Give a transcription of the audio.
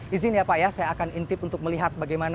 izin ya pak ya saya akan intip untuk melihat bagaimana